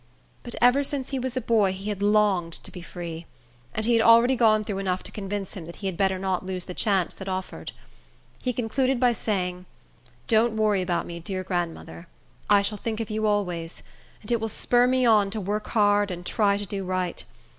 But ever since he was a boy, he had longed to be free; and he had already gone through enough to convince him he had better not lose the chance that offered. He concluded by saying, "Don't worry about me, dear grandmother. I shall think of you always; and it will spur me on to work hard and try to do right.